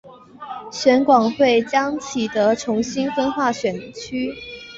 选管会将启德重新分划选区。